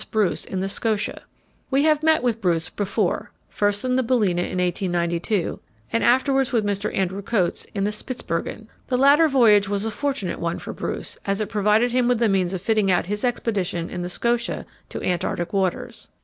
Bruce, in the Scotia. We have met with Bruce before: first in the Balæna in 1892, and afterwards with Mr. Andrew Coats in Spitzbergen. The latter voyage was a fortunate one for Bruce, as it provided him with the means of fitting out his expedition in the Scotia to Antarctic waters.